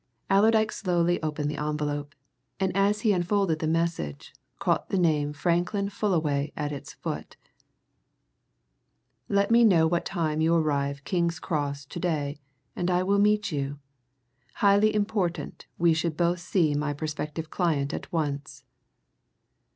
Allerdyke slowly opened the envelope, and as he unfolded the message, caught the name Franklin Fullaway at its foot "Let me know what time you arrive King's Cross to day and I will meet you, highly important we should both see my prospective client at once."